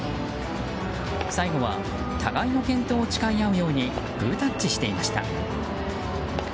最後は互いの健闘を誓い合うようにグータッチしていました。